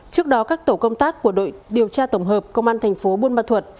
trước đó các tổ công tác của đội điều tra tổng hợp công an tp bunma thuật